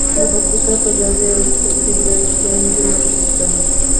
د پکتیا په ځاځي اریوب کې د ګچ نښې شته.